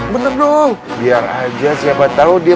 bener dong biar aja siapa tahu dia